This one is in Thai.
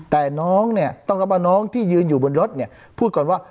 แต่น้องเนี่ยต้องรับว่าน้องที่ยืนอยู่บนรถเนี่ยพูดก่อนว่า